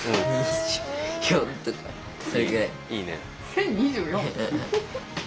１０２４？